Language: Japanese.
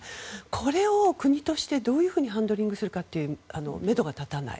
これを国としてどうハンドリングするかというめどが立たない。